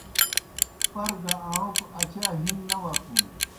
پر گہ اݨوکہ اچا ہِن نہ وتُھن۔